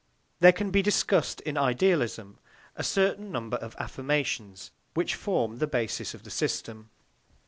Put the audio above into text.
There can be discussed in idealism a certain number of affirmations which form the basis of the system.